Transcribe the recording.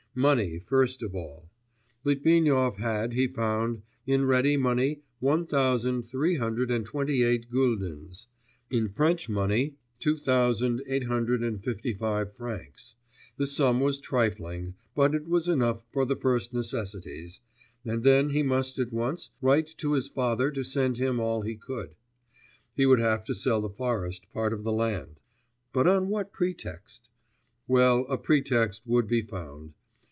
Money first of all. Litvinov had, he found, in ready money one thousand three hundred and twenty eight guldens, in French money, two thousand eight hundred and fifty five francs; the sum was trifling, but it was enough for the first necessities, and then he must at once write to his father to send him all he could; he would have to sell the forest part of the land. But on what pretext?... Well, a pretext would be found.